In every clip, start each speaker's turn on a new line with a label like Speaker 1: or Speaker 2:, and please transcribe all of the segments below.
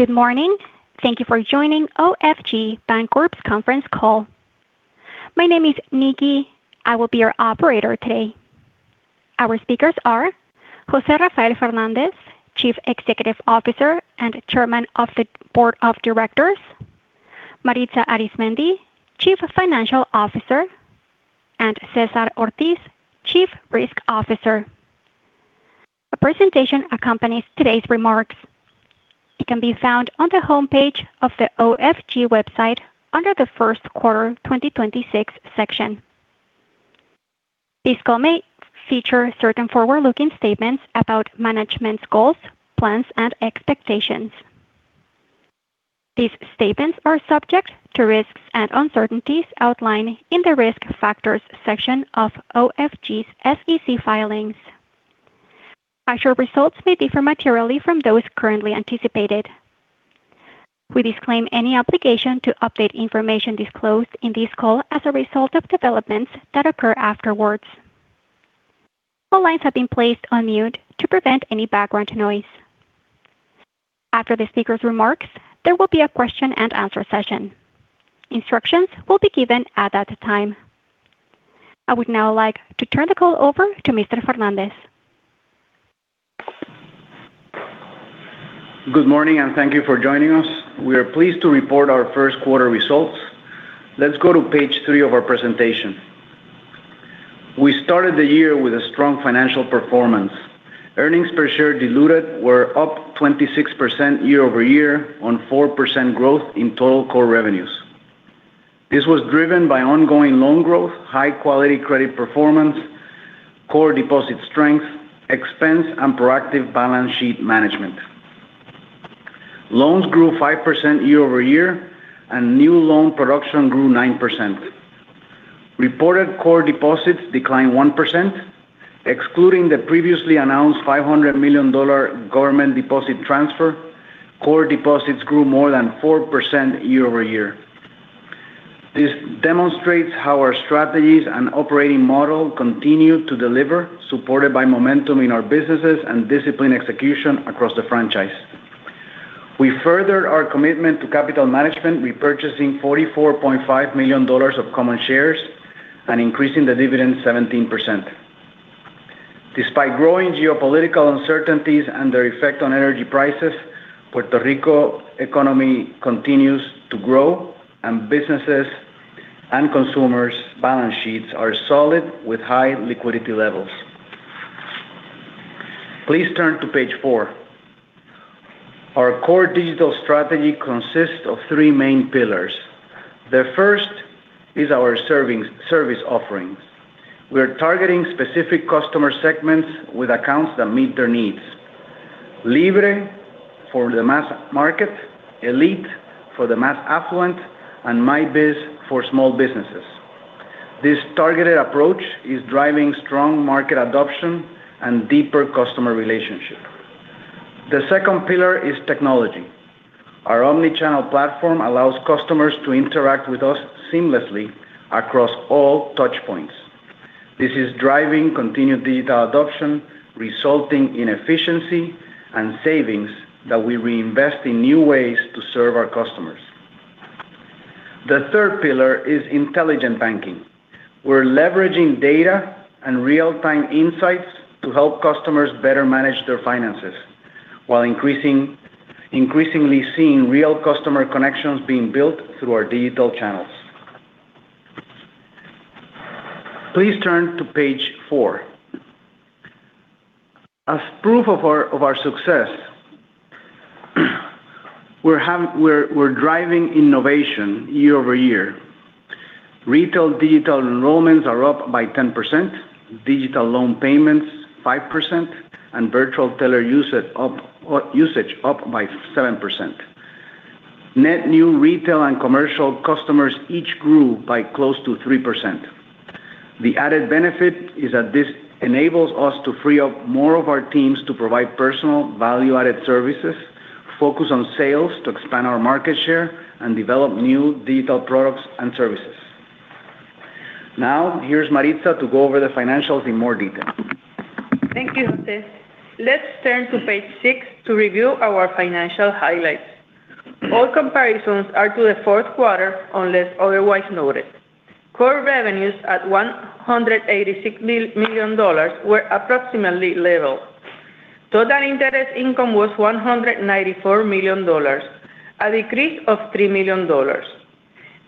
Speaker 1: Good morning. Thank you for joining OFG Bancorp's Conference Call. My name is Nikki. I will be your operator today. Our speakers are José Rafael Fernández, Chief Executive Officer and Chairman of the Board of Directors, Maritza Arizmendi, Chief Financial Officer, and César Ortiz, Chief Risk Officer. A presentation accompanies today's remarks. It can be found on the homepage of the OFG website under the first quarter 2026 section. This call may feature certain forward-looking statements about management's goals, plans, and expectations. These statements are subject to risks and uncertainties outlined in the Risk Factors section of OFG's SEC filings. Actual results may differ materially from those currently anticipated. We disclaim any obligation to update information disclosed in this call as a result of developments that occur afterwards. All lines have been placed on mute to prevent any background noise. After the speakers' remarks, there will be a question-and-answer session. Instructions will be given at that time. I would now like to turn the call over to Mr. Fernández.
Speaker 2: Good morning, and thank you for joining us. We are pleased to report our first quarter results. Let's go to page 3 of our presentation. We started the year with a strong financial performance. Earnings per share diluted were up 26% year-over-year on 4% growth in total core revenues. This was driven by ongoing loan growth, high-quality credit performance, core deposit strength, expense, and proactive balance sheet management. Loans grew 5% year-over-year, and new loan production grew 9%. Reported core deposits declined 1%. Excluding the previously announced $500 million government deposit transfer, core deposits grew more than 4% year-over-year. This demonstrates how our strategies and operating model continue to deliver, supported by momentum in our businesses and disciplined execution across the franchise. We further our commitment to capital management, repurchasing $44.5 million of common shares and increasing the dividend 17%. Despite growing geopolitical uncertainties and their effect on energy prices, Puerto Rico's economy continues to grow, and businesses and consumers' balance sheets are solid with high liquidity levels. Please turn to page 4. Our core digital strategy consists of three main pillars. The first is our service offerings. We're targeting specific customer segments with accounts that meet their needs. Libre for the mass market, Elite for the mass affluent, and MyBiz for small businesses. This targeted approach is driving strong market adoption and deeper customer relationship. The second pillar is technology. Our omni-channel platform allows customers to interact with us seamlessly across all touch points. This is driving continued digital adoption, resulting in efficiency and savings that we reinvest in new ways to serve our customers. The third pillar is intelligent banking. We're leveraging data and real-time insights to help customers better manage their finances while increasingly seeing real customer connections being built through our digital channels. Please turn to page 4. As proof of our success, we're driving innovation year-over-year. Retail digital enrollments are up by 10%, digital loan payments 5%, and virtual teller usage up by 7%. Net new retail and commercial customers each grew by close to 3%. The added benefit is that this enables us to free up more of our teams to provide personal value-added services, focus on sales to expand our market share, and develop new digital products and services. Now, here's Maritza to go over the financials in more detail.
Speaker 3: Thank you, José. Let's turn to page 6 to review our financial highlights. All comparisons are to the fourth quarter unless otherwise noted. Core revenues at $186 million were approximately level. Total interest income was $194 million, a decrease of $3 million.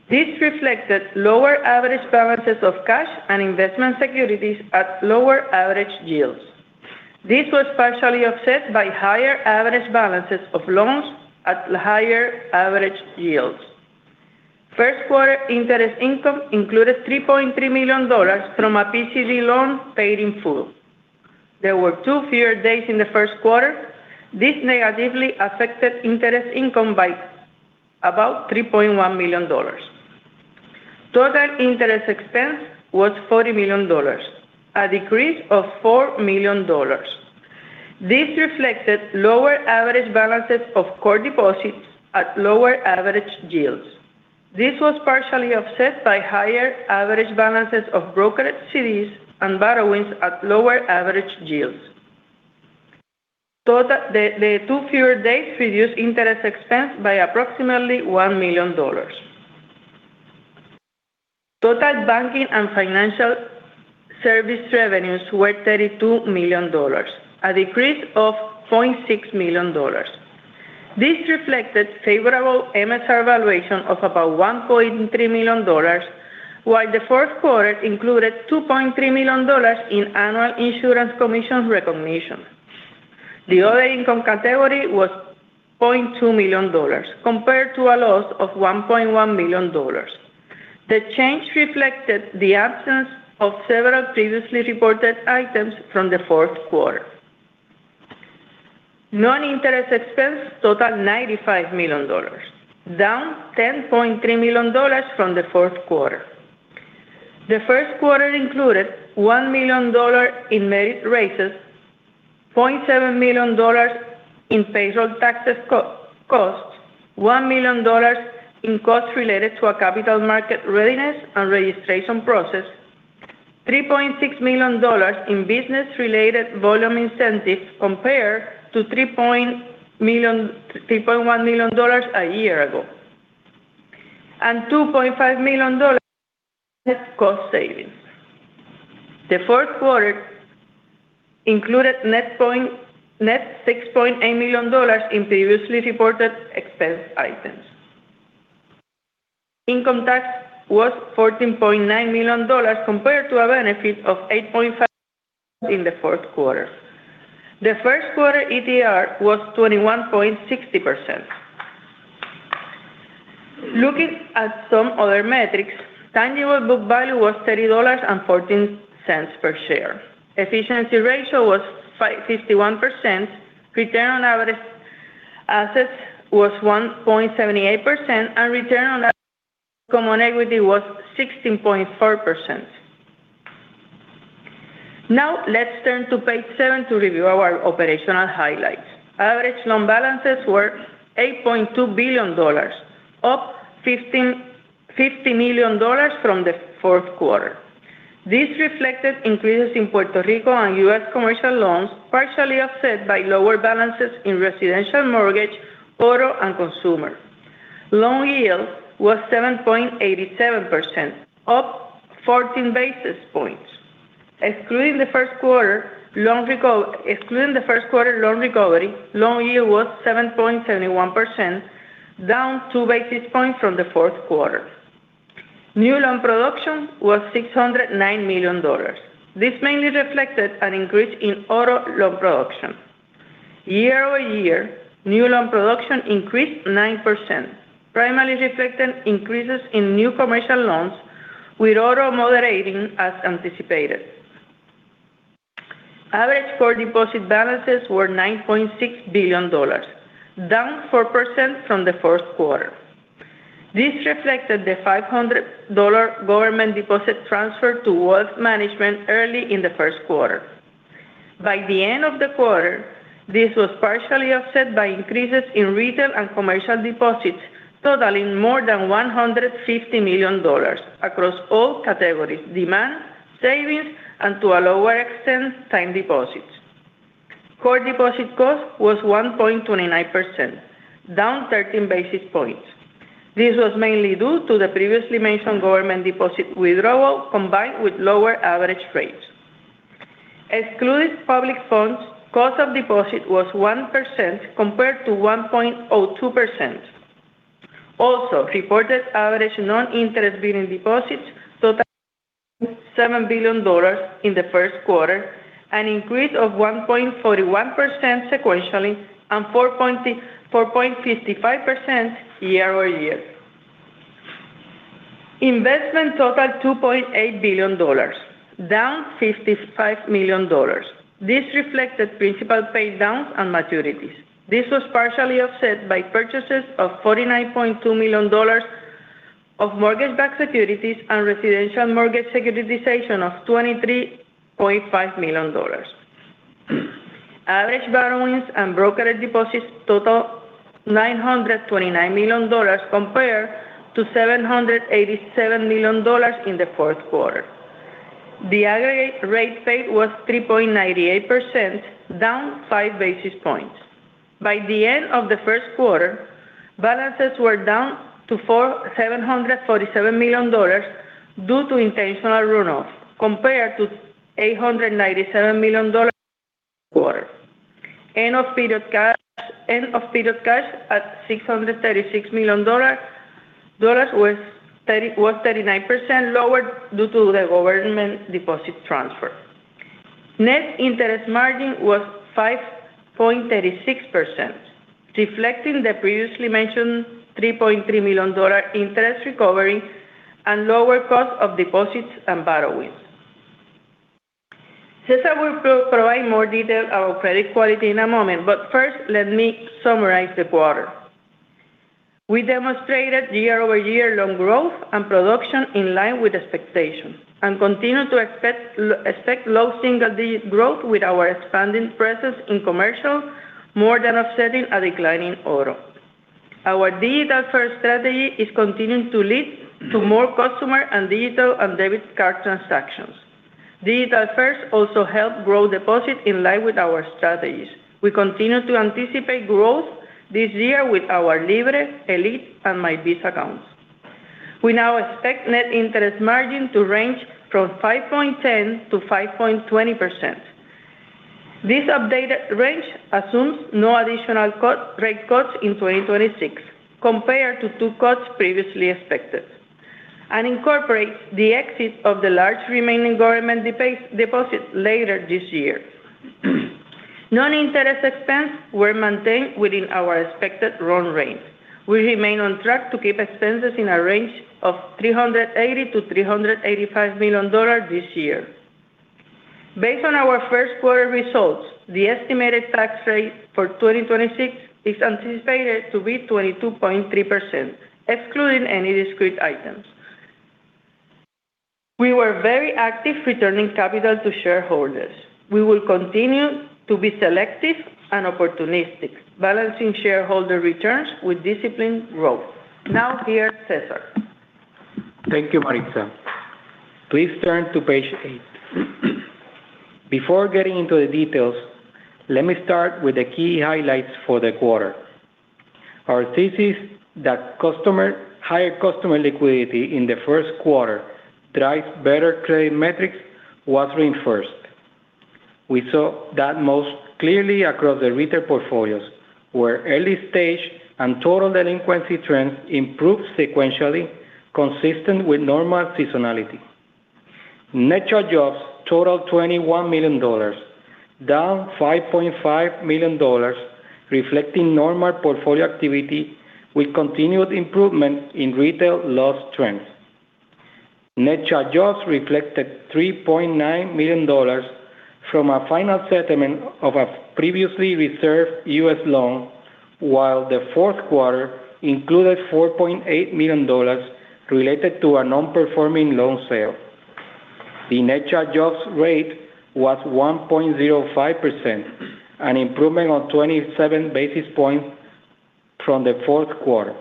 Speaker 3: This reflected lower average balances of cash and investment securities at lower average yields. This was partially offset by higher average balances of loans at higher average yields. First quarter interest income included $3.3 million from a PCD loan paid in full. There were two fewer days in the first quarter. This negatively affected interest income by about $3.1 million. Total interest expense was $40 million, a decrease of $4 million. This reflected lower average balances of core deposits at lower average yields. This was partially offset by higher average balances of brokered CDs and borrowings at lower average yields. The two fewer days reduced interest expense by approximately $1 million. Total banking and financial service revenues were $32 million, a decrease of $0.6 million. This reflected favorable MSR valuation of about $1.3 million, while the fourth quarter included $2.3 million in annual insurance commissions recognition. The other income category was $0.2 million compared to a loss of $1.1 million. The change reflected the absence of several previously reported items from the fourth quarter. Non-interest expense totaled $95 million, down $10.3 million from the fourth quarter. The first quarter included $1 million in merit raises, $0.7 million in payroll tax costs, $1 million in costs related to a capital market readiness and registration process, $3.6 million in business-related volume incentives compared to $3.1 million a year ago, and $2.5 million in cost savings. The fourth quarter included net $6.8 million in previously reported expense items. Income tax was $14.9 million compared to a benefit of $8.5 million in the fourth quarter. The first quarter ETR was 21.60%. Looking at some other metrics, tangible book value was $30.14 per share. Efficiency ratio was 51%, return on average assets was 1.78%, and return on average common equity was 16.4%. Now let's turn to page seven to review our operational highlights. Average loan balances were $8.2 billion, up $50 million from the fourth quarter. This reflected increases in Puerto Rico and U.S. commercial loans, partially offset by lower balances in residential mortgage, auto, and consumer. Loan yield was 7.87%, up 14 basis points. Excluding the first quarter loan recovery, loan yield was 7.71%, down two basis points from the fourth quarter. New loan production was $609 million. This mainly reflected an increase in auto loan production. Year-over-year, new loan production increased 9%, primarily reflecting increases in new commercial loans with auto moderating as anticipated. Average core deposit balances were $9.6 billion, down 4% from the fourth quarter. This reflected the $500 government deposit transfer to wealth management early in the first quarter. By the end of the quarter, this was partially offset by increases in retail and commercial deposits totaling more than $150 million across all categories, demand, savings, and to a lower extent, time deposits. Core deposit cost was 1.29%, down 13 basis points. This was mainly due to the previously mentioned government deposit withdrawal combined with lower average rates. Excluded public funds cost of deposit was 1% compared to 1.02%. Also, reported average non-interest-bearing deposits totaled $7 billion in the first quarter, an increase of 1.41% sequentially and 4.55% year-over-year. Investment totaled $2.8 billion, down $55 million. This reflected principal pay downs and maturities. This was partially offset by purchases of $49.2 million of mortgage-backed securities and residential mortgage securitization of $23.5 million. Average borrowings and brokered deposits total $929 million compared to $787 million in the fourth quarter. The aggregate rate paid was 3.98%, down five basis points. By the end of the first quarter, balances were down to $747 million due to intentional runoff, compared to $897 million quarter. End of period cash at $636 million was 39% lower due to the government deposit transfer. Net interest margin was 5.36%, reflecting the previously mentioned $3.3 million interest recovery and lower cost of deposits and borrowings. César will provide more detail about credit quality in a moment, but first let me summarize the quarter. We demonstrated year over year loan growth and production in line with expectations, continue to expect low single digit growth with our expanding presence in commercial, more than offsetting a declining auto. Our digital-first strategy is continuing to lead to more customer, digital, and debit card transactions. Digital-first also helped grow deposits in line with our strategies. We continue to anticipate growth this year with our Libre, Elite, and MyBiz accounts. We now expect net interest margin to range from 5.10%-5.20%. This updated range assumes no additional rate cuts in 2026 compared to 2 cuts previously expected, and incorporates the exit of the large remaining government deposit later this year. Noninterest expense were maintained within our expected run rate. We remain on track to keep expenses in a range of $380 million-$385 million this year. Based on our first quarter results, the estimated tax rate for 2026 is anticipated to be 22.3%, excluding any discrete items. We were very active returning capital to shareholders. We will continue to be selective and opportunistic, balancing shareholder returns with disciplined growth. Now, here, César.
Speaker 4: Thank you, Maritza. Please turn to page 8. Before getting into the details, let me start with the key highlights for the quarter. Our thesis that higher customer liquidity in the first quarter drives better claim metrics was reinforced. We saw that most clearly across the retail portfolios, where early-stage and total delinquency trends improved sequentially, consistent with normal seasonality. Net charge-offs totaled $21 million, down $5.5 million, reflecting normal portfolio activity with continued improvement in retail loss trends. Net charge-offs reflected $3.9 million from a final settlement of a previously reserved U.S. loan, while the fourth quarter included $4.8 million related to a non-performing loan sale. The net charge-offs rate was 1.05%, an improvement of 27 basis points from the fourth quarter.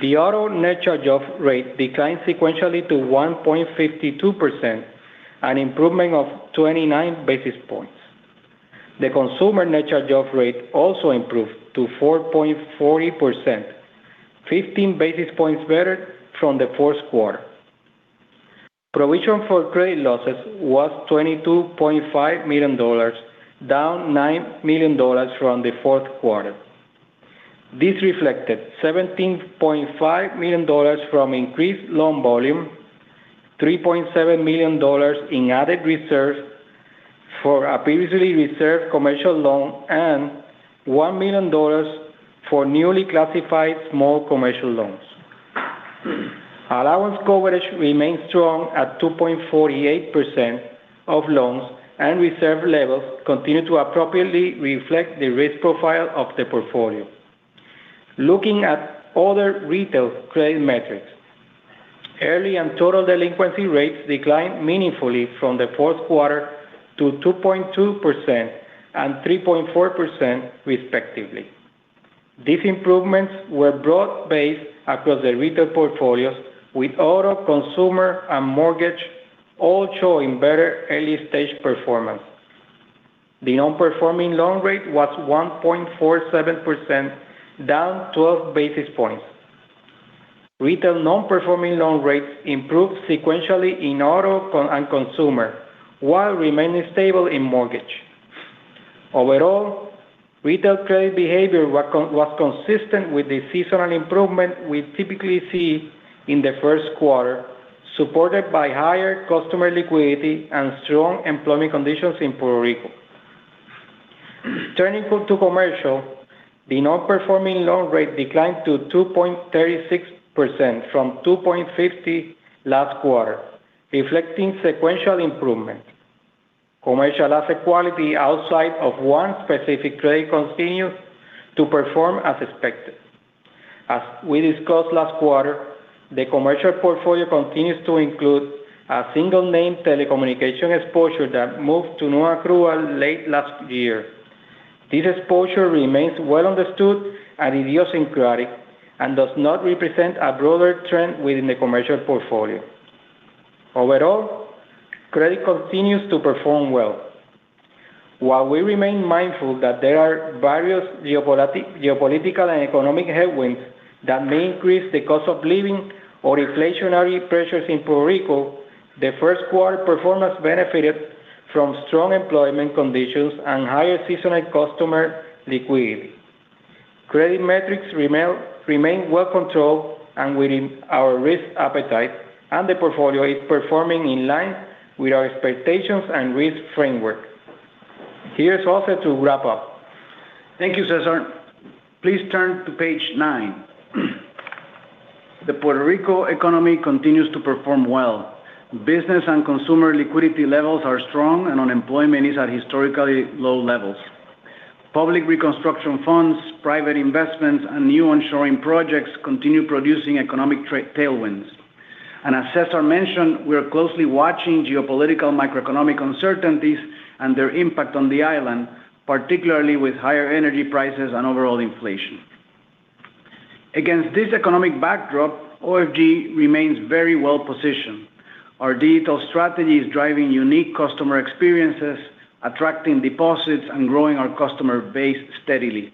Speaker 4: The auto net charge-off rate declined sequentially to 1.52%, an improvement of 29 basis points. The consumer net charge-off rate also improved to 4.40%, 15 basis points better from the fourth quarter. Provision for credit losses was $22.5 million, down $9 million from the fourth quarter. This reflected $17.5 million from increased loan volume, $3.7 million in added reserves for a previously reserved commercial loan, and $1 million for newly classified small commercial loans. Allowance coverage remains strong at 2.48% of loans and reserve levels continue to appropriately reflect the risk profile of the portfolio. Looking at other retail credit metrics, early and total delinquency rates declined meaningfully from the fourth quarter to 2.2% and 3.4%, respectively. These improvements were broad-based across the retail portfolios, with auto, consumer, and mortgage all showing better early-stage performance. The non-performing loan rate was 1.47%, down 12 basis points. Retail non-performing loan rates improved sequentially in auto and consumer, while remaining stable in mortgage. Overall, retail credit behavior was consistent with the seasonal improvement we typically see in the first quarter, supported by higher customer liquidity and strong employment conditions in Puerto Rico. Turning to commercial, the non-performing loan rate declined to 2.36% from 2.50% last quarter, reflecting sequential improvement. Commercial asset quality outside of one specific trade continues to perform as expected. As we discussed last quarter, the commercial portfolio continues to include a single-name telecommunication exposure that moved to non-accrual late last year. This exposure remains well understood and idiosyncratic and does not represent a broader trend within the commercial portfolio. Overall, credit continues to perform well. While we remain mindful that there are various geopolitical and economic headwinds that may increase the cost of living or inflationary pressures in Puerto Rico, the first quarter performance benefited from strong employment conditions and higher seasonal customer liquidity. Credit metrics remain well controlled and within our risk appetite, and the portfolio is performing in line with our expectations and risk framework. Here's José to wrap up.
Speaker 2: Thank you, César. Please turn to page nine. The Puerto Rico economy continues to perform well. Business and consumer liquidity levels are strong and unemployment is at historically low levels. Public reconstruction funds, private investments, and new onshoring projects continue producing economic tailwinds. As César mentioned, we are closely watching geopolitical macroeconomic uncertainties and their impact on the island, particularly with higher energy prices and overall inflation. Against this economic backdrop, OFG remains very well-positioned. Our digital strategy is driving unique customer experiences, attracting deposits, and growing our customer base steadily.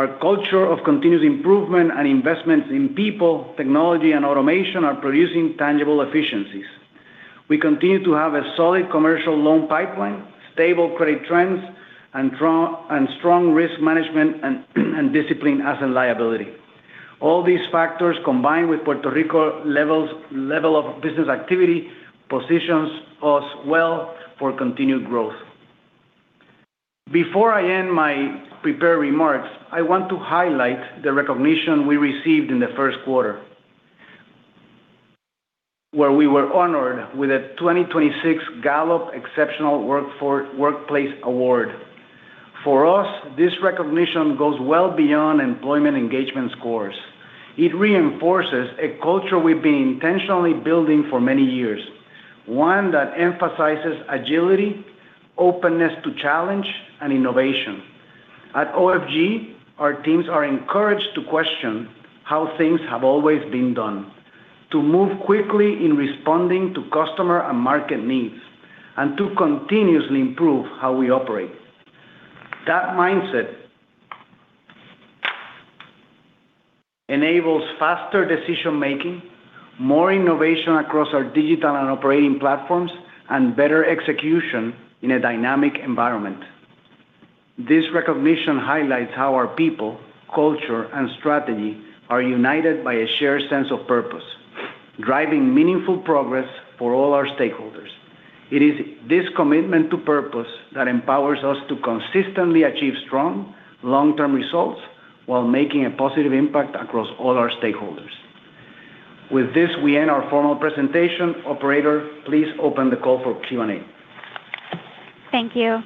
Speaker 2: Our culture of continuous improvement and investments in people, technology, and automation are producing tangible efficiencies. We continue to have a solid commercial loan pipeline, stable credit trends, and strong risk management and discipline as a liability. All these factors, combined with Puerto Rico's level of business activity, positions us well for continued growth. Before I end my prepared remarks, I want to highlight the recognition we received in the first quarter, where we were honored with a 2026 Gallup Exceptional Workplace Award. For us, this recognition goes well beyond employee engagement scores. It reinforces a culture we've been intentionally building for many years, one that emphasizes agility, openness to challenge, and innovation. At OFG, our teams are encouraged to question how things have always been done, to move quickly in responding to customer and market needs, and to continuously improve how we operate. That mindset enables faster decision-making, more innovation across our digital and operating platforms, and better execution in a dynamic environment. This recognition highlights how our people, culture, and strategy are united by a shared sense of purpose, driving meaningful progress for all our stakeholders. It is this commitment to purpose that empowers us to consistently achieve strong long-term results while making a positive impact across all our stakeholders. With this, we end our formal presentation. Operator, please open the call for Q&A.
Speaker 1: Thank you.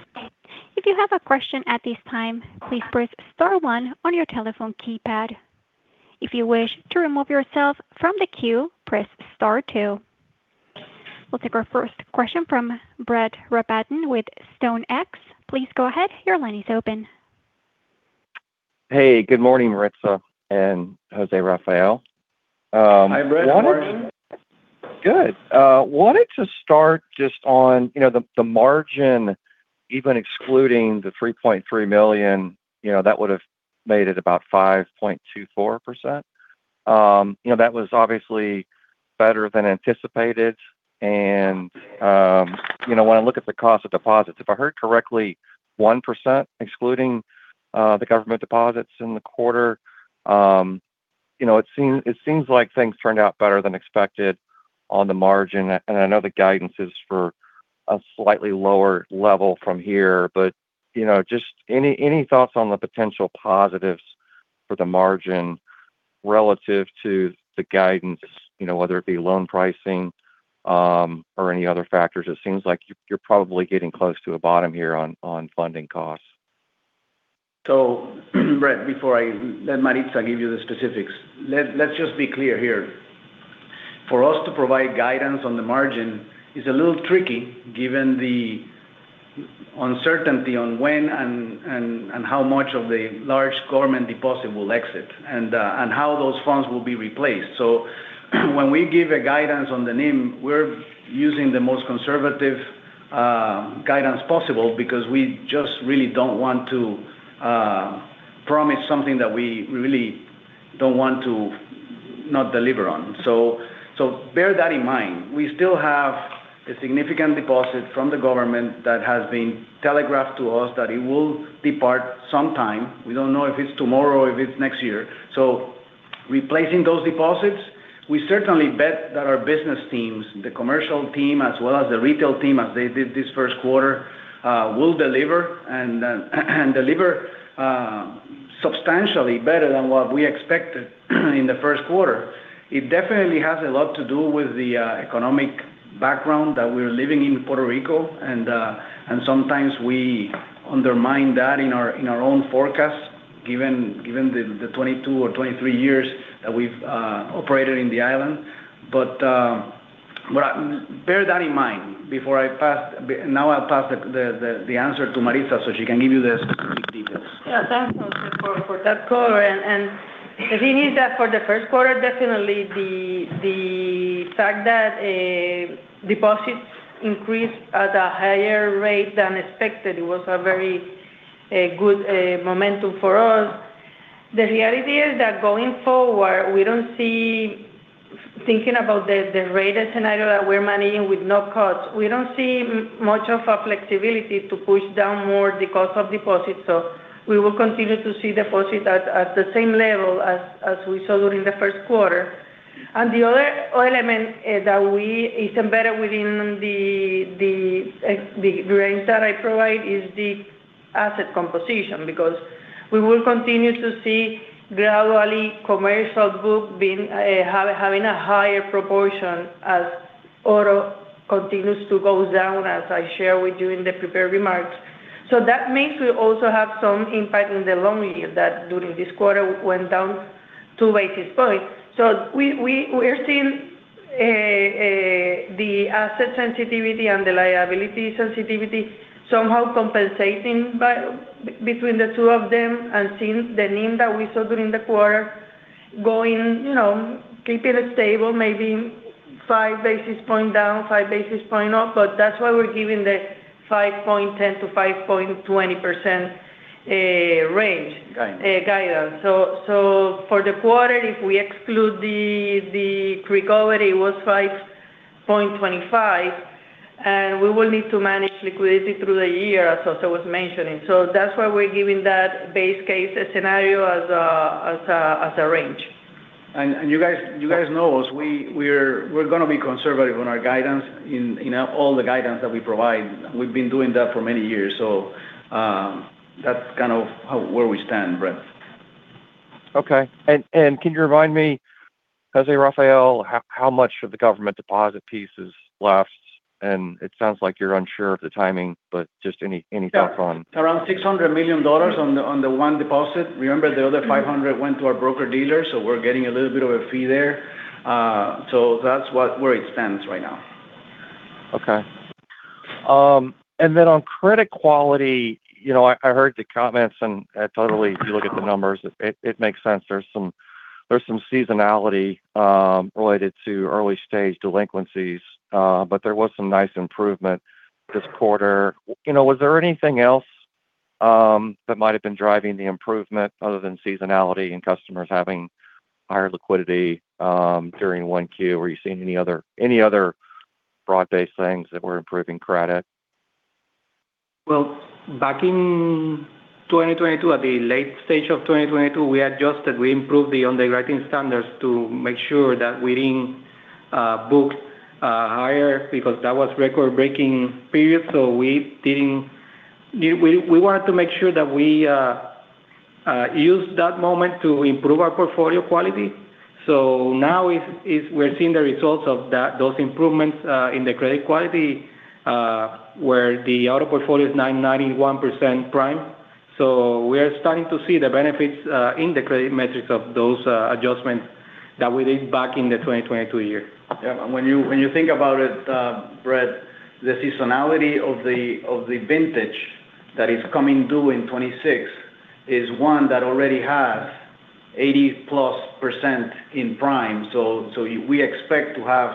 Speaker 1: If you have a question at this time, please press star one on your telephone keypad. If you wish to remove yourself from the queue, press star two. We'll take our first question from Brett Rabatin with StoneX. Please go ahead. Your line is open.
Speaker 5: Hey, good morning, Maritza and José Rafael.
Speaker 2: Hi, Brett. Good morning.
Speaker 5: Good. Wanted to start just on the margin, even excluding the $3.3 million, that would've made it about 5.24%. That was obviously better than anticipated. When I look at the cost of deposits, if I heard correctly, 1%, excluding the government deposits in the quarter. It seems like things turned out better than expected on the margin. I know the guidance is for a slightly lower level from here, but just any thoughts on the potential positives for the margin relative to the guidance, whether it be loan pricing, or any other factors? It seems like you're probably getting close to a bottom here on funding costs.
Speaker 2: Brett, before I let Maritza give you the specifics, let's just be clear here. For us to provide guidance on the margin is a little tricky given the uncertainty on when and how much of the large government deposit will exit, and how those funds will be replaced. When we give a guidance on the NIM, we're using the most conservative guidance possible because we just really don't want to promise something that we really don't want to not deliver on. Bear that in mind. We still have a significant deposit from the government that has been telegraphed to us that it will depart sometime. We don't know if it's tomorrow, or if it's next year. Replacing those deposits, we certainly bet that our business teams, the commercial team as well as the retail team, as they did this first quarter, will deliver, and deliver substantially better than what we expected in the first quarter. It definitely has a lot to do with the economic background that we're living in Puerto Rico and sometimes we undermine that in our own forecasts given the 22 or 23 years that we've operated in the island. Bear that in mind before I pass the answer to Maritza so she can give you the specific details.
Speaker 3: Yeah. Thanks, José, for that color. As I mentioned that for the first quarter, definitely the fact that deposits increased at a higher rate than expected, it was a very good momentum for us. The reality is that going forward, we don't see, thinking about the rate scenario that we're managing with no cuts. We don't see much of a flexibility to push down more the cost of deposits. So we will continue to see deposits at the same level as we saw during the first quarter. The other element that is embedded within the range that I provide is the asset composition, because we will continue to see gradually commercial book having a higher proportion as auto continues to go down, as I shared with you in the prepared remarks. That means we also have some impact in the loan yield that during this quarter went down 2 basis points. We're seeing the asset sensitivity and the liability sensitivity somehow compensating between the two of them and seeing the NIM that we saw during the quarter keeping it stable, maybe 5 basis points down, 5 basis points up. That's why we're giving the 5.10%-5.20% range.
Speaker 2: Guidance.
Speaker 3: Guidance. For the quarter, if we exclude the recovery, it was 5.25, and we will need to manage liquidity through the year as José was mentioning. That's why we're giving that base case scenario as a range.
Speaker 2: You guys know us. We're going to be conservative on our guidance in all the guidance that we provide. We've been doing that for many years. That's kind of where we stand, Brett.
Speaker 5: Okay. Can you remind me, José Rafael, how much of the government deposit piece is left? It sounds like you're unsure of the timing, but just any thoughts on-
Speaker 2: Around $600 million on the one deposit. Remember the other $500 went to our broker-dealer, so we're getting a little bit of a fee there. That's where it stands right now.
Speaker 5: Okay. Then on credit quality, I heard the comments and totally, if you look at the numbers, it makes sense. There's some seasonality related to early-stage delinquencies. There was some nice improvement this quarter. Was there anything else that might have been driving the improvement other than seasonality and customers having higher liquidity during one Q? Are you seeing any other broad-based things that were improving credit?
Speaker 4: Well, back in 2022, at the late stage of 2022, we adjusted, we improved the underwriting standards to make sure that we didn't book higher because that was record-breaking period. We wanted to make sure that we used that moment to improve our portfolio quality. Now we're seeing the results of those improvements in the credit quality, where the auto portfolio is 91% prime. We are starting to see the benefits in the credit metrics of those adjustments that we did back in the 2022 year.
Speaker 2: Yeah. When you think about it, Brett, the seasonality of the vintage that is coming due in 2026 is one that already has 80+% in prime. We expect to have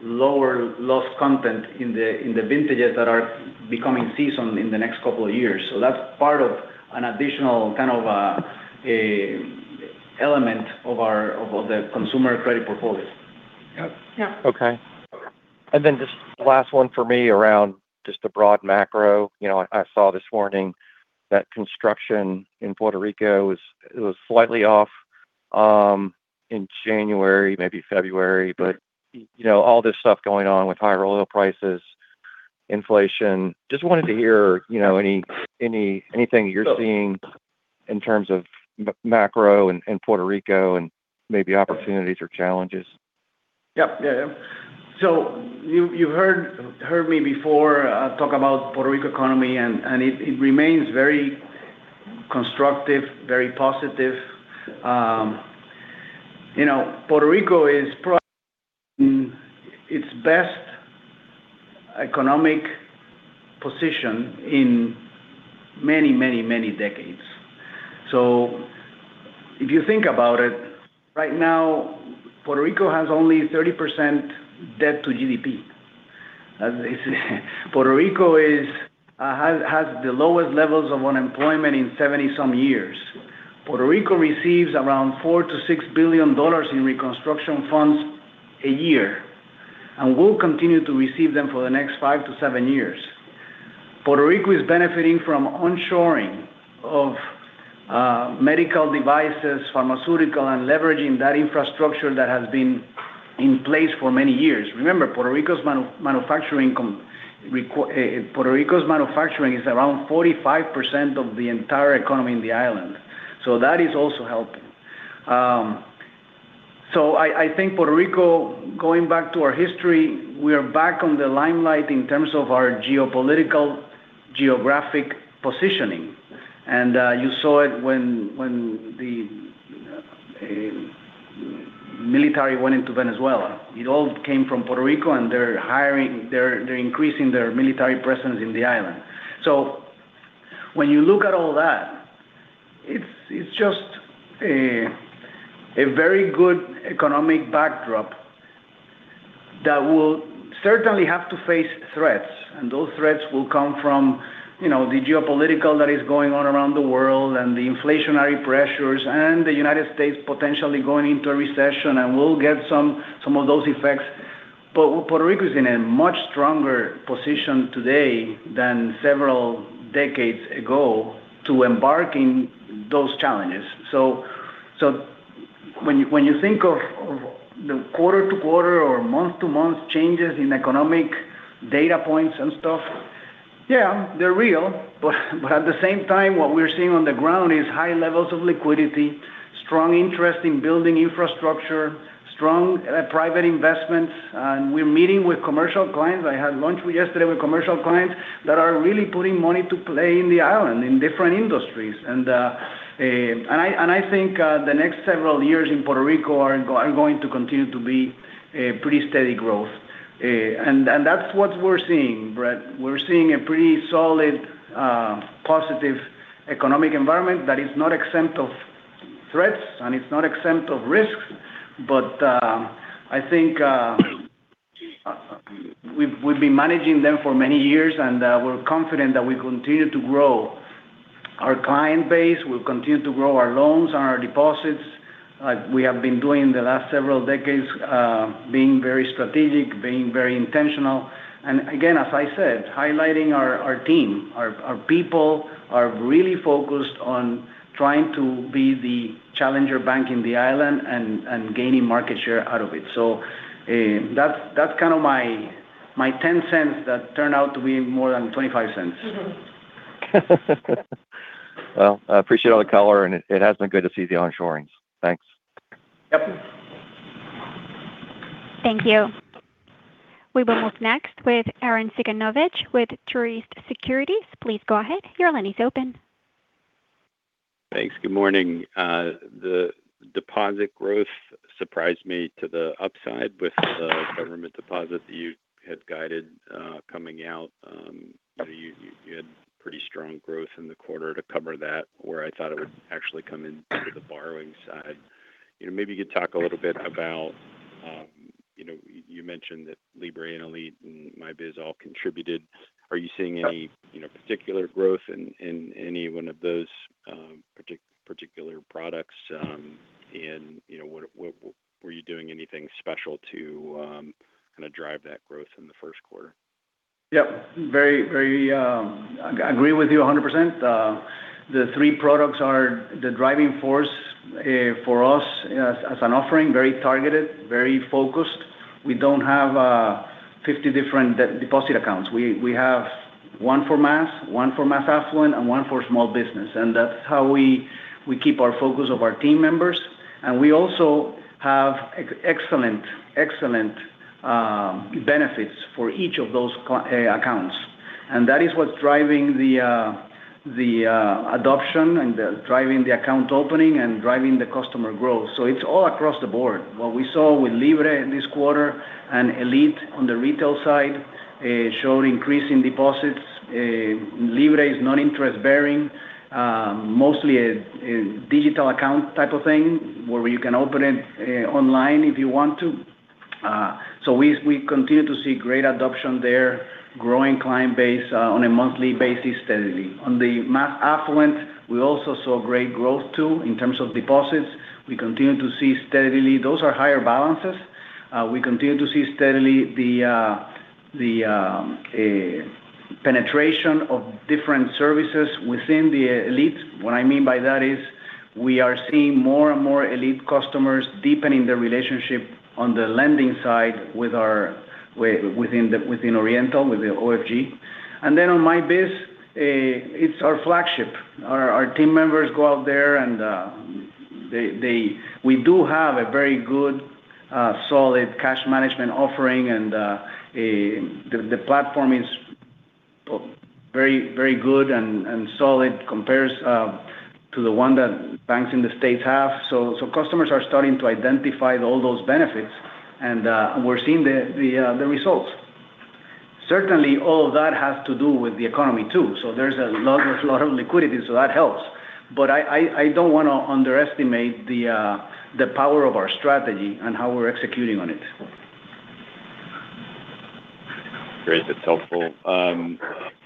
Speaker 2: lower loss content in the vintages that are becoming seasoned in the next couple of years. That's part of an additional kind of element of the consumer credit portfolio.
Speaker 4: Yep.
Speaker 5: Okay. Just the last one for me around just the broad macro. I saw this morning that construction in Puerto Rico, it was slightly off in January, maybe February. All this stuff going on with higher oil prices, inflation. Just wanted to hear anything you're seeing in terms of macro in Puerto Rico and maybe opportunities or challenges.
Speaker 2: Yep. You've heard me before talk about Puerto Rico economy, and it remains very constructive, very positive. Puerto Rico is probably in its best economic position in many decades. If you think about it, right now, Puerto Rico has only 30% debt to GDP. Puerto Rico has the lowest levels of unemployment in 70-some years. Puerto Rico receives around $4 billion-$6 billion in reconstruction funds a year and will continue to receive them for the next 7 years. Puerto Rico is benefiting from onshoring of medical devices, pharmaceutical, and leveraging that infrastructure that has been in place for many years. Remember, Puerto Rico's manufacturing is around 45% of the entire economy in the island. That is also helping. I think Puerto Rico, going back to our history, we are back in the limelight in terms of our geopolitical geographic positioning. You saw it when the military went into Venezuela. It all came from Puerto Rico, and they're increasing their military presence in the island. When you look at all that, it's just a very good economic backdrop that will certainly have to face threats. Those threats will come from the geopolitics that is going on around the world and the inflationary pressures and the United States potentially going into a recession, and we'll get some of those effects. Puerto Rico is in a much stronger position today than several decades ago to embark on those challenges. When you think of the quarter-to-quarter or month-to-month changes in economic data points and stuff, yeah, they're real. At the same time, what we're seeing on the ground is high levels of liquidity. Strong interest in building infrastructure, strong private investments, and we're meeting with commercial clients. I had lunch yesterday with commercial clients that are really putting money to work in the island in different industries. I think the next several years in Puerto Rico are going to continue to be a pretty steady growth. That's what we're seeing, Brett. We're seeing a pretty solid, positive economic environment that is not exempt of threats and it's not exempt of risks. I think we've been managing them for many years and we're confident that we continue to grow our client base, we'll continue to grow our loans and our deposits. We have been doing the last several decades being very strategic, being very intentional, and again, as I said, highlighting our team. Our people are really focused on trying to be the challenger bank in the island and gaining market share out of it. That's kind of my $0.10 that turned out to be more than $0.25.
Speaker 5: Well, I appreciate all the color, and it has been good to see the onshoring. Thanks.
Speaker 2: Yep.
Speaker 1: Thank you. We will move next with Arren Cyganovich with Truist Securities. Please go ahead. Your line is open.
Speaker 6: Thanks. Good morning. The deposit growth surprised me to the upside with the government deposit that you had guided coming out. You had pretty strong growth in the quarter to cover that, where I thought it would actually come in under the borrowing side. Maybe you could talk a little bit about, you mentioned that Libre and Elite and MyBiz all contributed. Are you seeing any particular growth in any one of those particular products? Were you doing anything special to drive that growth in the first quarter?
Speaker 2: Yep. I agree with you 100%. The three products are the driving force for us as an offering. Very targeted, very focused. We don't have 50 different deposit accounts. We have one for mass, one for mass affluent, and one for small business. That's how we keep our focus of our team members. We also have excellent benefits for each of those accounts. That is what's driving the adoption and driving the account opening and driving the customer growth. It's all across the board. What we saw with Libre in this quarter and Elite on the retail side showed increase in deposits. Libre is non-interest bearing. Mostly a digital account type of thing where you can open it online if you want to. We continue to see great adoption there, growing client base on a monthly basis steadily. On the mass affluent, we also saw great growth too in terms of deposits. We continue to see steadily those are higher balances. We continue to see steadily the penetration of different services within the Elite. What I mean by that is we are seeing more and more Elite customers deepening the relationship on the lending side within Oriental, with the OFG. On MyBiz, it's our flagship. Our team members go out there and we do have a very good solid cash management offering and the platform is very good and solid compares to the one that banks in the States have. Customers are starting to identify all those benefits and we're seeing the results. Certainly all of that has to do with the economy too. There's a lot of liquidity, so that helps. I don't want to underestimate the power of our strategy and how we're executing on it.
Speaker 6: Great. That's helpful.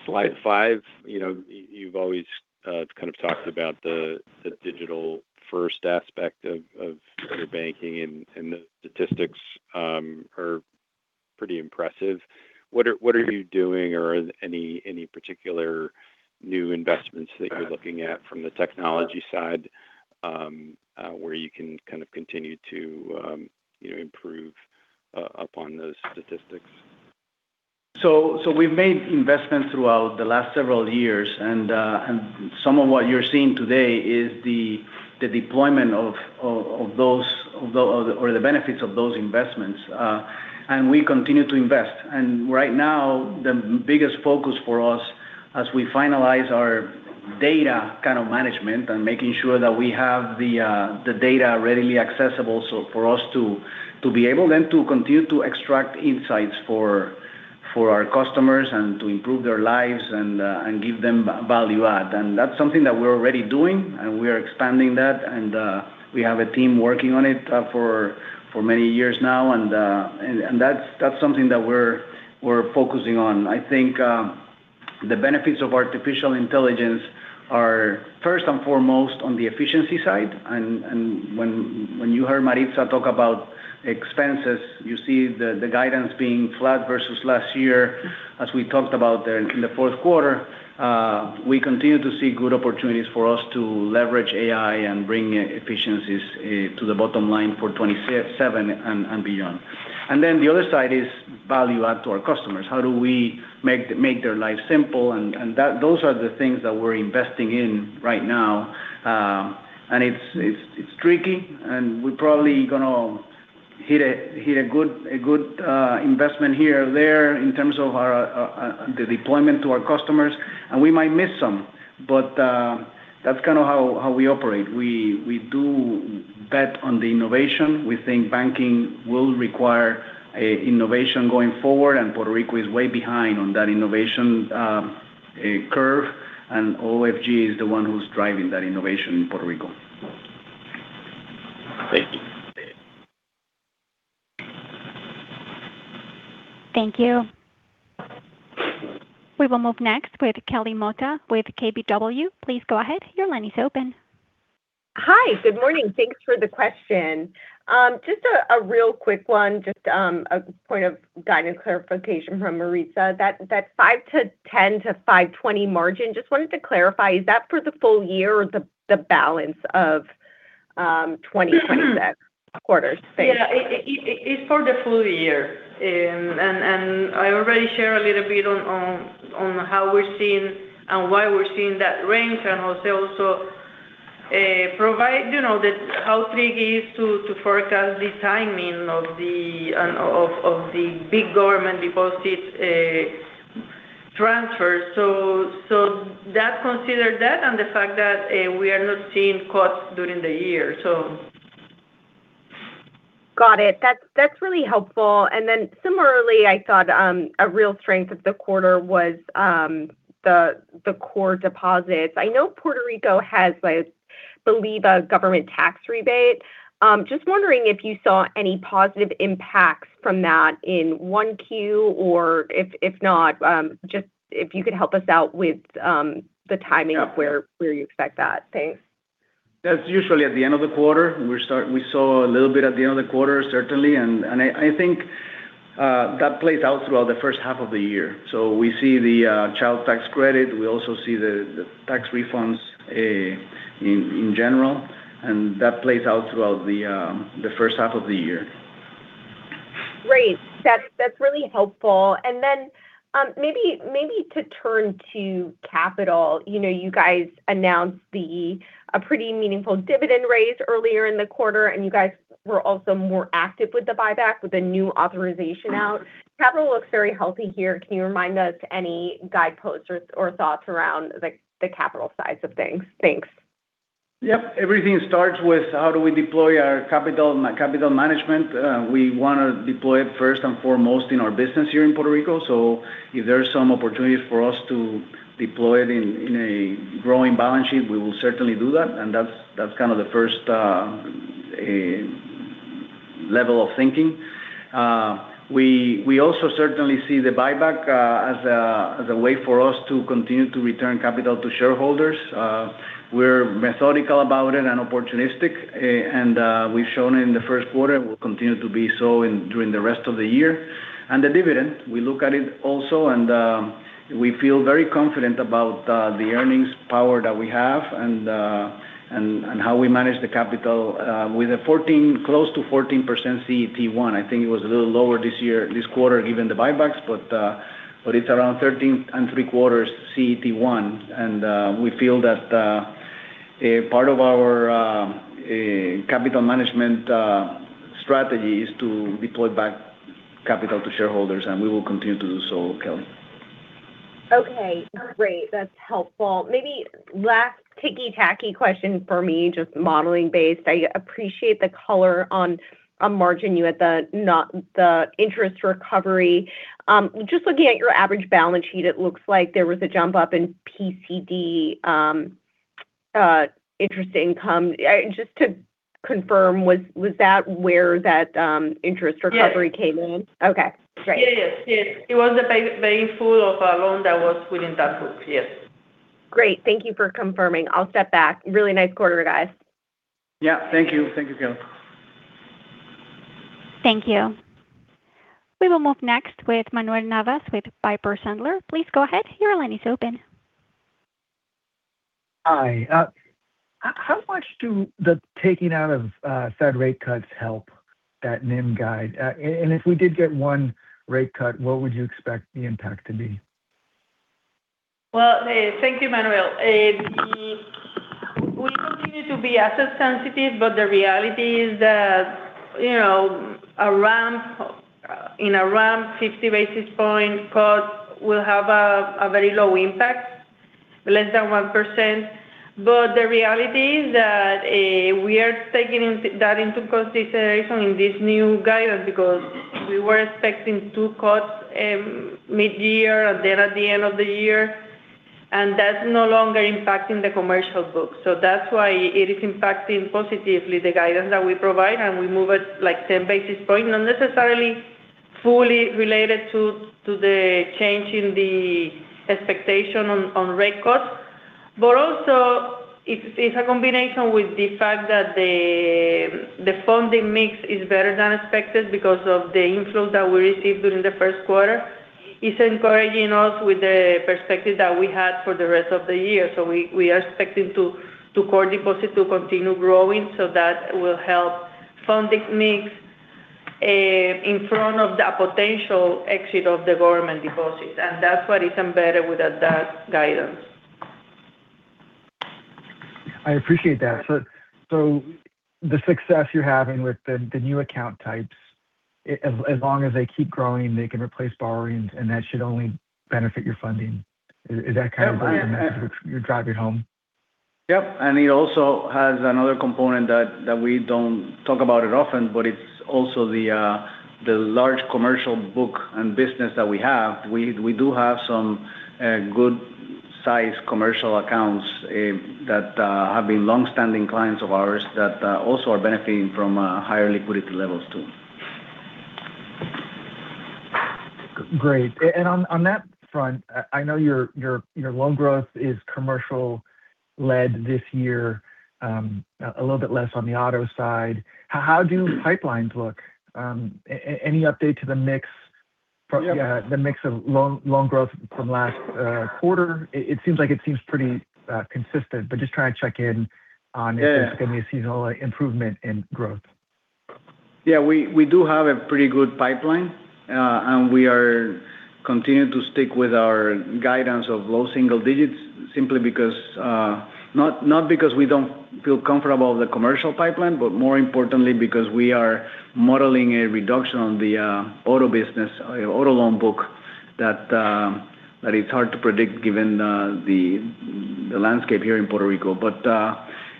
Speaker 6: Slide 5, you've always kind of talked about the digital first aspect of your banking and the statistics are pretty impressive. What are you doing or any particular new investments that you're looking at from the technology side where you can kind of continue to improve upon those statistics?
Speaker 2: We've made investments throughout the last several years and some of what you're seeing today is the deployment of those, or the benefits of those investments. We continue to invest. Right now the biggest focus for us as we finalize our data kind of management and making sure that we have the data readily accessible so for us to be able then to continue to extract insights for our customers and to improve their lives and give them value add. That's something that we're already doing and we are expanding that and we have a team working on it for many years now. That's something that we're focusing on. I think the benefits of artificial intelligence are first and foremost on the efficiency side. When you heard Maritza talk about expenses, you see the guidance being flat versus last year as we talked about there in the fourth quarter. We continue to see good opportunities for us to leverage AI and bring efficiencies to the bottom line for 2027 and beyond. The other side is value add to our customers. How do we make their life simple? Those are the things that we're investing in right now. It's tricky, and we're probably going to hit a good investment here or there in terms of the deployment to our customers, and we might miss some. That's kind of how we operate. We do bet on the innovation. We think banking will require innovation going forward, and Puerto Rico is way behind on that innovation curve, and OFG is the one who's driving that innovation in Puerto Rico.
Speaker 6: Thank you.
Speaker 1: Thank you. We will move next with Kelly Motta with KBW. Please go ahead. Your line is open.
Speaker 7: Hi. Good morning. Thanks for the question. Just a real quick one. Just a point of guidance clarification from Maritza. That 5%-10% to 5.20% margin, just wanted to clarify, is that for the full year or the balance of 2026 quarters, say?
Speaker 3: Yeah. It's for the full year. I already shared a little bit on how we're seeing and why we're seeing that range. José also provided how tricky it is to forecast the timing of the big government deposits transfers. That considered that and the fact that we are not seeing cuts during the year.
Speaker 7: Got it. That's really helpful. Then similarly, I thought a real strength of the quarter was the core deposits. I know Puerto Rico has, I believe, a government tax rebate. Just wondering if you saw any positive impacts from that in 1Q, or if not, just if you could help us out with the timing of where you expect that. Thanks.
Speaker 2: That's usually at the end of the quarter. We saw a little bit at the end of the quarter, certainly. I think that plays out throughout the first half of the year. We see the child tax credit. We also see the tax refunds in general, and that plays out throughout the first half of the year.
Speaker 7: Great. That's really helpful. Maybe to turn to capital. You guys announced a pretty meaningful dividend raise earlier in the quarter, and you guys were also more active with the buyback with the new authorization out. Capital looks very healthy here. Can you remind us any guideposts or thoughts around the capital size of things? Thanks.
Speaker 2: Yep. Everything starts with how do we deploy our capital management. We want to deploy it first and foremost in our business here in Puerto Rico. If there are some opportunities for us to deploy it in a growing balance sheet, we will certainly do that, and that's kind of the first level of thinking. We also certainly see the buyback as a way for us to continue to return capital to shareholders. We're methodical about it and opportunistic, and we've shown it in the first quarter and will continue to be so during the rest of the year. The dividend, we look at it also, and we feel very confident about the earnings power that we have and how we manage the capital with close to 14% CET1. I think it was a little lower this quarter given the buybacks, but it's around 13.75 CET1. We feel that part of our capital management strategy is to deploy back capital to shareholders, and we will continue to do so, Kelly.
Speaker 7: Okay, great. That's helpful. Maybe last ticky-tacky question for me, just modeling based. I appreciate the color on margin. You had the interest recovery. Just looking at your average balance sheet, it looks like there was a jump up in PCD interest income. Just to confirm, was that where that interest recovery came in?
Speaker 3: Yes.
Speaker 7: Okay. Great.
Speaker 3: Yes. It was a payoff of a loan that was within that group. Yes.
Speaker 7: Great. Thank you for confirming. I'll step back. Really nice quarter, guys.
Speaker 2: Yeah. Thank you, Kelly.
Speaker 1: Thank you. We will move next with Manuel Navas with Piper Sandler. Please go ahead. Your line is open.
Speaker 8: Hi. How much do the taking out of Fed rate cuts help that NIM guide? If we did get one rate cut, what would you expect the impact to be?
Speaker 3: Well, thank you, Manuel. We continue to be asset sensitive, but the reality is that a 50 basis point cut will have a very low impact, less than 1%. The reality is that we are taking that into consideration in this new guidance because we were expecting two cuts mid-year and then at the end of the year, and that's no longer impacting the commercial book. That's why it is impacting positively the guidance that we provide, and we move it like 10 basis points, not necessarily fully related to the change in the expectation on rate cuts. Also it's a combination with the fact that the funding mix is better than expected because of the inflow that we received during the first quarter. It's encouraging us with the perspective that we had for the rest of the year. We are expecting core deposit to continue growing, so that will help funding mix in front of the potential exit of the government deposits. That's what is embedded with that guidance.
Speaker 8: I appreciate that. The success you're having with the new account types, as long as they keep growing, they can replace borrowings and that should only benefit your funding. Is that kind of?
Speaker 2: Yeah.
Speaker 8: Your drive? You're home?
Speaker 2: Yep. It also has another component that we don't talk about it often, but it's also the large commercial book and business that we have. We do have some good size commercial accounts that have been longstanding clients of ours that also are benefiting from higher liquidity levels too.
Speaker 8: Great. On that front, I know your loan growth is commercial led this year, a little bit less on the auto side. How do pipelines look? Any update to the mix-
Speaker 2: Yeah.
Speaker 8: The mix of loan growth from last quarter? It seems pretty consistent, but just trying to check in on.
Speaker 2: Yeah.
Speaker 8: if there's going to be a seasonal improvement in growth.
Speaker 2: Yeah, we do have a pretty good pipeline, and we are continuing to stick with our guidance of low single digits simply because, not because we don't feel comfortable with the commercial pipeline, but more importantly because we are modeling a reduction on the auto business, auto loan book that is hard to predict given the landscape here in Puerto Rico.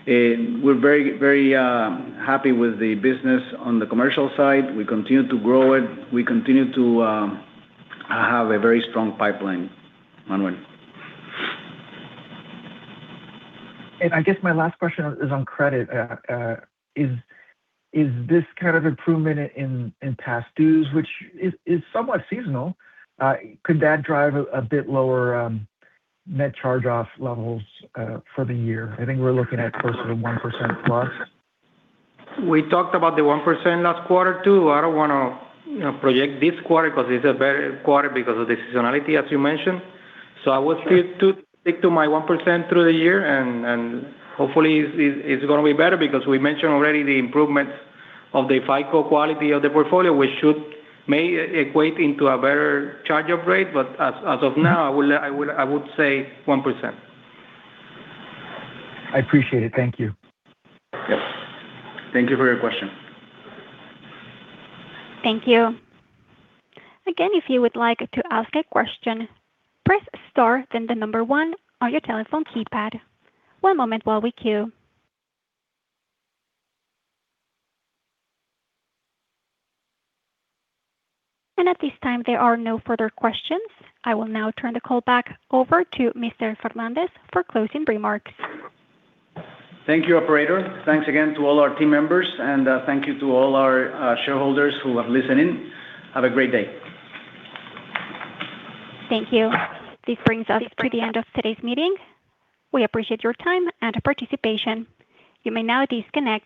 Speaker 2: We're very happy with the business on the commercial side. We continue to grow it. We continue to have a very strong pipeline, Manuel.
Speaker 8: I guess my last question is on credit. Is this kind of improvement in past dues, which is somewhat seasonal, could that drive a bit lower net charge-off levels for the year? I think we're looking at closer to 1%+.
Speaker 4: We talked about the 1% last quarter, too. I don't want to project this quarter because it's a better quarter because of the seasonality, as you mentioned. I would stick to my 1% through the year, and hopefully it's going to be better because we mentioned already the improvements of the FICO quality of the portfolio, which may equate into a better charge-off rate. But as of now, I would say 1%.
Speaker 8: I appreciate it. Thank you.
Speaker 2: Yep. Thank you for your question.
Speaker 1: Thank you. Again, if you would like to ask a question, press star then the number one on your telephone keypad. One moment while we queue. At this time, there are no further questions. I will now turn the call back over to Mr. Fernández for closing remarks.
Speaker 2: Thank you, operator. Thanks again to all our team members, and thank you to all our shareholders who are listening. Have a great day.
Speaker 1: Thank you. This brings us to the end of today's meeting. We appreciate your time and participation. You may now disconnect.